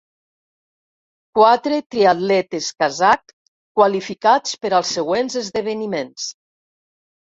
Quatre triatletes kazakh qualificats per als següents esdeveniments.